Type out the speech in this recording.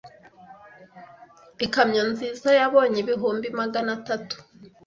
Ikamyo nziza yabonye ibihumbi magana atatu